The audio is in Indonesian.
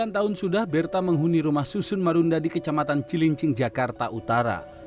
sembilan tahun sudah berta menghuni rumah susun marunda di kecamatan cilincing jakarta utara